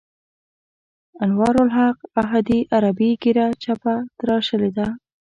انوارالحق احدي عربي ږیره چپه تراشلې ده.